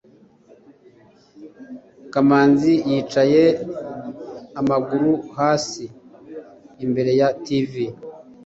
kamanzi yicaye amaguru hasi imbere ya tv